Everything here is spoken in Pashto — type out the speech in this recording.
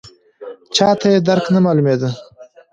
چاته یې درک نه معلومېده.